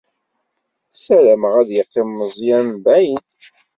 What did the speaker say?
Ssarameɣ ad yeqqim Meẓẓyan mbaɛid.